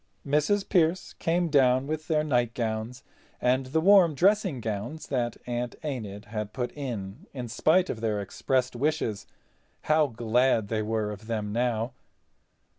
Mrs. Pearce came down with their nightgowns and the warm dressing gowns that Aunt Enid had put in in spite of their expressed wishes. How glad they were of them now!